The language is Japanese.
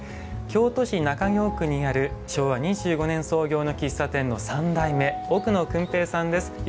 京都市中京区にある昭和２５年創業の喫茶店の三代目奥野薫平さんです。